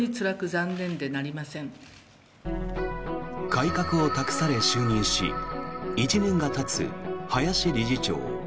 改革を託され、就任し１年がたつ林理事長。